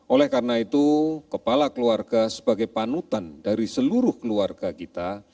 oleh karena itu kepala keluarga sebagai panutan dari seluruh keluarga kita